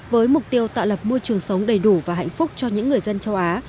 với mục tiêu tạo lập môi trường sống đầy đủ và hạnh phúc cho những người dân châu á